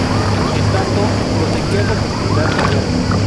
En tanto, proseguía con su actividad radial.